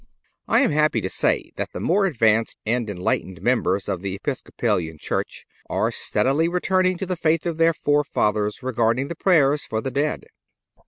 (294) I am happy to say that the more advanced and enlightened members of the Episcopalian church are steadily returning to the faith of their fore fathers regarding prayers for the dead.